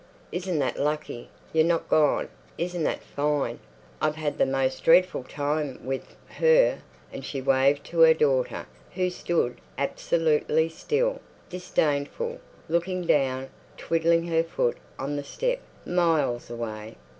Isn't that lucky! You've not gone. Isn't that fine! I've had the most dreadful time with—her," and she waved to her daughter, who stood absolutely still, disdainful, looking down, twiddling her foot on the step, miles away.